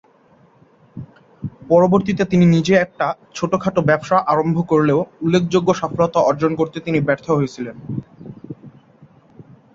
পরবর্তীতে তিনি নিজে একটা ছোটখাট ব্যবসা আরম্ভ করলেও উল্লেখযোগ্য সফলতা অর্জন করতে তিনি ব্যর্থ হয়েছিলেন।